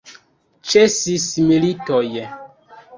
Ĉesis militoj!